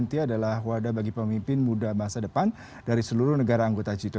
ini adalah wadah bagi pemimpin muda masa depan dari seluruh negara anggota g dua puluh